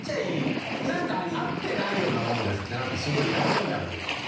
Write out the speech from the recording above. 何か「あってないようなもんです」ってすごい楽になるというか。